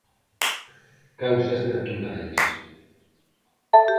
"Causas naturais".